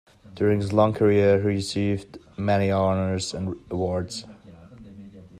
During his long career, he received many honours and awards.